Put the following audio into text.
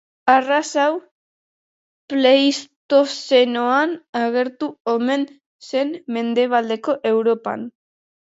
Arraza hau Pleistozenoan agertu omen zen Mendebaldeko Europan.